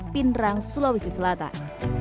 pinerang sulawesi selatan